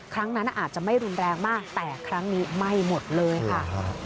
ครั้งนั้นอาจจะไม่รุนแรงมากแต่ครั้งนี้ไหม้หมดเลยค่ะ